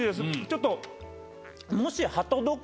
ちょっと。